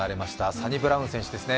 サニブラウン選手ですね。